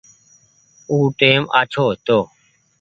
او ٽيم آڇو هيتو۔